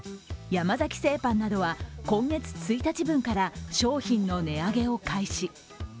山崎製パンなどは、今月１日分から商品の値上げを開始。